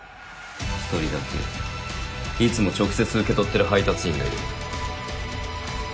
１人だけいつも直接受け取ってる配達員がいる。